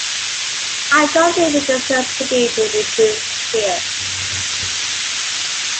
I don’t think it deserves to be reproduced here.